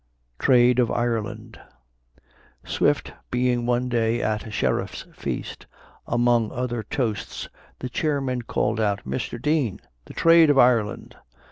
TRADE OF IRELAND. Swift being one day at a sheriffs feast, among other toasts the chairman called out, "Mr. Dean, the Trade of Ireland."